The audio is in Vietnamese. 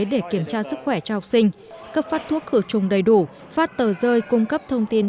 để kiểm tra sức khỏe cho học sinh cấp phát thuốc khử trùng đầy đủ phát tờ rơi cung cấp thông tin